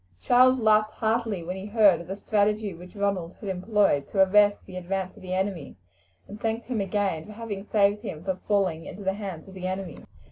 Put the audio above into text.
Charles laughed heartily when he heard of the strategy which Ronald had employed to arrest the advance of the enemy, and thanked him for again having saved him from falling into the hands of the enemy.